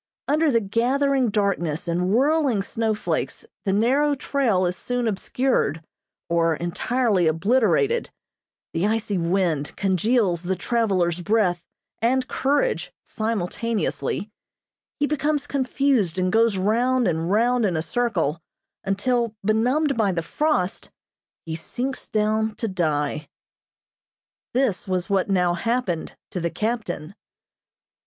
Under the gathering darkness and whirling snowflakes the narrow trail is soon obscured, or entirely obliterated, the icy wind congeals the traveler's breath and courage simultaneously, he becomes confused and goes round and round in a circle, until, benumbed by the frost, he sinks down to die. This was what now happened to the captain.